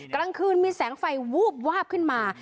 กลางคืนมีแสงไฟวูบวาบขึ้นมา